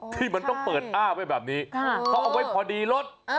ที่มันต้องเปิดอ้าไว้แบบนี้เขาเอาไว้พอดีรถ